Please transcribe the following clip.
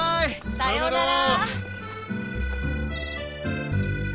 さようなら！